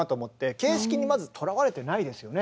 形式にまずとらわれてないですよね。